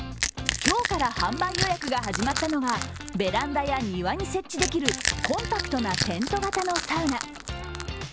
今日から販売予約が始まったのはベランダや庭に設置できるコンパクトなテント型のサウナ。